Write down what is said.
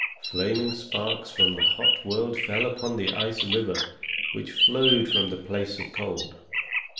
Flaming sparks from the hot world fell upon the ice river which flowed from the place of cold.